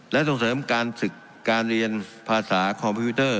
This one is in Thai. และส่งเสริมการศึกการเรียนภาษาคอมพิวเตอร์